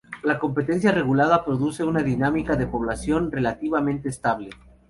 La competencia regulada produce una dinámica de población relativamente estable.